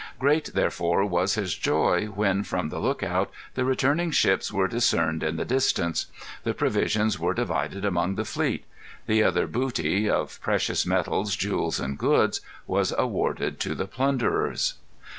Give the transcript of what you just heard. Great, therefore, was his joy when, from the lookout, the returning ships were discerned in the distance. The provisions were divided among the fleet. The other booty, of precious metals, jewels, and goods, was awarded to the plunderers.